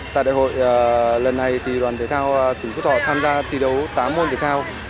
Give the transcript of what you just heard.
tại đại hội lần này thì đoàn thể thao tỉnh phú thọ tham gia thi đấu tám môn thể thao